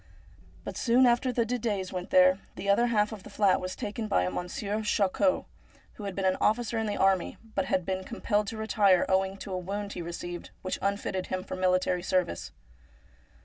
But soon after the Didets went there, the other half of the flat was taken by a Monsieur Charcot, who had been an officer in the army, but had been compelled to retire, owing to a wound he received, which unfitted him for military service.